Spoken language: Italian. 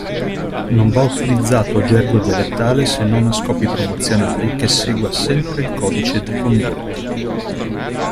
Non va utilizzato gergo dialettale se non a scopi promozionali che segua sempre il codice di condotta.